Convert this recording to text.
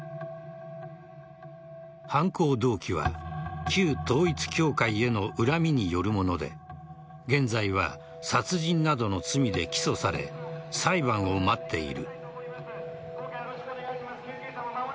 犯行動機は旧統一教会への恨みによるもので現在は殺人などの罪で起訴され裁判を待っている。